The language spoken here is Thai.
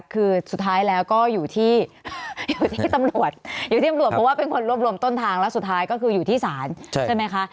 คือสุดท้ายแล้วก็อยู่ที่อยู่ที่ตำรวจอยู่ที่ตำรวจเพราะว่าเป็นคนรวบรวมต้นทางแล้วสุดท้ายก็คืออยู่ที่ศาลใช่ไหมคะ